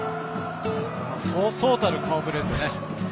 そうそうたる顔ぶれですね。